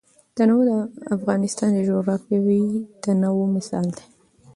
تنوع د افغانستان د جغرافیوي تنوع مثال دی.